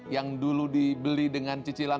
yang dulu dibeli dengan cicilan